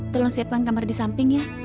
tolong siapkan kamar di samping ya